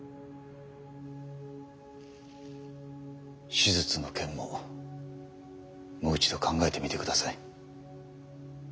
手術の件ももう一度考えてみてください。